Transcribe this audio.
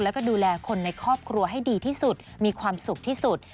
แล้วก็ดูแลคนในครอบครัวให้ดีที่สุดมีความสุขที่สุด